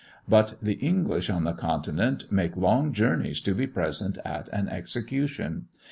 But the English on the Continent make long journeys to be present at an execution.